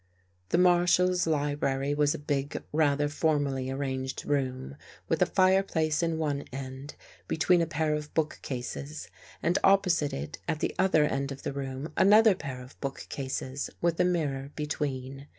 The Marshalls' library was a big, rather for mally arranged room, with a fireplace in one end, between a pair of bookcases, and opposite it, at the other end of the room, another pair of bookcases with a mirror between.